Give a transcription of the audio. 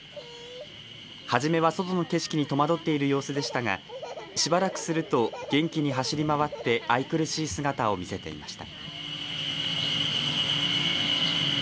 初めは外の景色に戸惑っている様子でしたがしばらくすると元気に走り回って愛くるしい姿を見せていました。